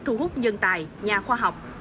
thu hút nhân tài nhà khoa học